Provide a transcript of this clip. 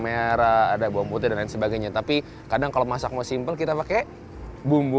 merah ada bawang putih dan lain sebagainya tapi kadang kalau masak mau simpel kita pakai bumbu